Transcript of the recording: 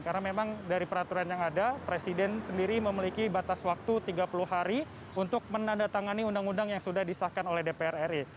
karena memang dari peraturan yang ada presiden sendiri memiliki batas waktu tiga puluh hari untuk menandatangani undang undang yang sudah disahkan oleh dpr ri